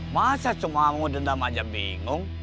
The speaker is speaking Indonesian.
masa cuma mau dendam aja bingung